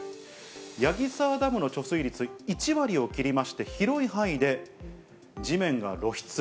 矢木沢ダムの貯水率、１割を切りまして、広い範囲で地面が露出。